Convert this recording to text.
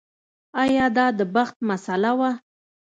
ایا دا د بخت مسئله وه.